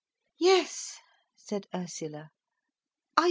"Yes," said Ursula.